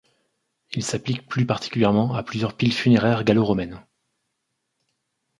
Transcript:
Il s’applique plus particulièrement à plusieurs piles funéraires gallo-romaines.